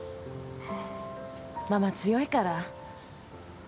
ママ強いから。